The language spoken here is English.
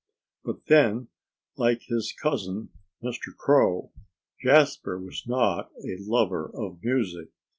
But then, like his cousin Mr. Crow, Jasper was not a lover of music.